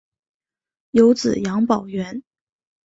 有子杨葆元。